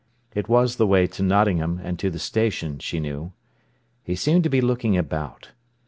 It was the way to Nottingham and to the station, she knew. He seemed to be looking about.